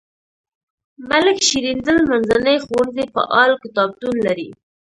ملک شیریندل منځنی ښوونځی فعال کتابتون لري.